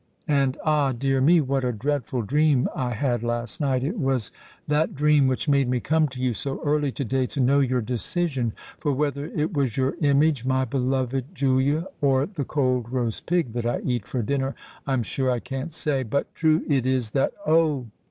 And, ah! dear me—what a dreadful dream I had last night! It was that dream which made me come to you so early to day, to know your decision. For whether it was your image, my beloved Julia—or the cold roast pig that I eat for supper, I'm sure I can't say; but true it is that——Oh!"